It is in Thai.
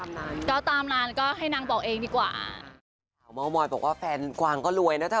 เมอร์มอยด์บอกว่าแฟนกวางก็รวยนะเธอ